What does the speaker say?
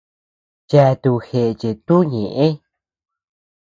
Cheatu géche tuʼu ñeʼe.